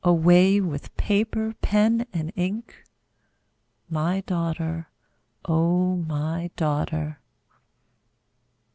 Away with paper, pen, and ink My daughter, O my daughter!